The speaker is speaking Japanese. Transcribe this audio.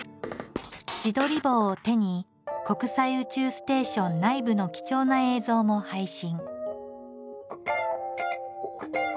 自撮り棒を手に国際宇宙ステーション内部の貴重な映像も配信。